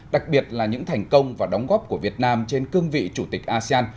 đặc biệt là những thành công và đóng góp của việt nam trên cương vị chủ tịch asean